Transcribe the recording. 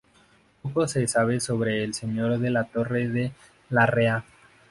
Poco se sabe sobre el señor de la Torre de Larrea.